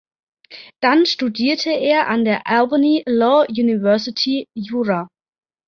Dann studierte er an der "Albany Law University" Jura.